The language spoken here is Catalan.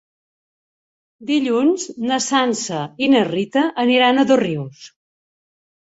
Dilluns na Sança i na Rita aniran a Dosrius.